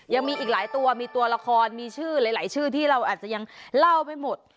ยังมีอีกหลายตัวมีตัวละครมีชื่อหลายชื่อที่เราอาจจะยังเล่าไปหมด